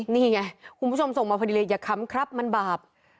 นี่ไงคุณผู้ชมส่งมาพอดีเลยอย่าค้ำครับมันบาป